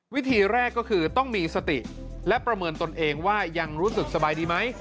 วิธีแรกก็คือต้องมีสติและประเมินตนเองว่ายังรู้สึกสบายดีไหม